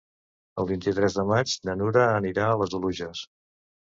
El vint-i-tres de maig na Nura anirà a les Oluges.